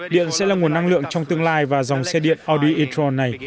điện sẽ là nguồn năng lượng trong tương lai và dòng xe điện audi e tron này